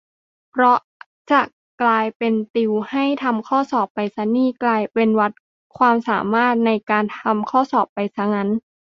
เพราะจะกลายเป็นติวให้ทำข้อสอบไปซะนี่ กลายเป็นวัดความสามารถในการทำข้อสอบไปซะงั้น